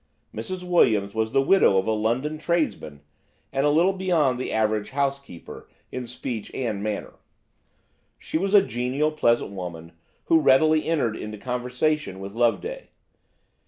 Mrs. Williams was the widow of a London tradesman, and a little beyond the average housekeeper in speech and manner. She was a genial, pleasant woman, and readily entered into conversation with Loveday.